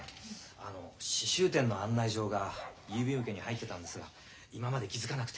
あの刺繍展の案内状が郵便受けに入ってたんですが今まで気付かなくて。